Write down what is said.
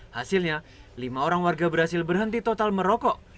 hasilnya lima orang warga berhasil berhenti total merokok